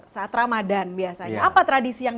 saat ramadan biasanya apa tradisi yang